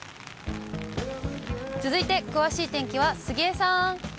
続いて詳しい天気は杉江さん。